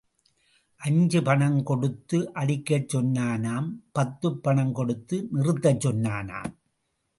அஞ்சு பணம் கொடுத்து அடிக்கச் சொன்னானாம் பத்துப் பணம் கொடுத்து நிறுத்தச் சொன்னானாம்.